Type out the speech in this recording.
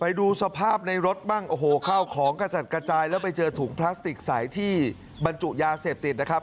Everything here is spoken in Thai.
ไปดูสภาพในรถบ้างโอ้โหเข้าของกระจัดกระจายแล้วไปเจอถุงพลาสติกใสที่บรรจุยาเสพติดนะครับ